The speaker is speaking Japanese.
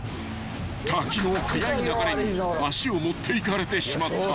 ［滝の速い流れに足を持っていかれてしまった］